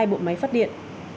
hai bộ máy phát điện